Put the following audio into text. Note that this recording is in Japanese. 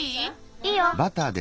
いいよ！